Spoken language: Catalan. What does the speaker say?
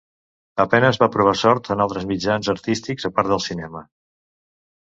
A penes va provar sort en altres mitjans artístics a part del cinema.